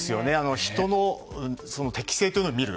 人の適正というものを見る。